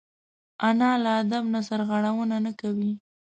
انا له ادب نه سرغړونه نه کوي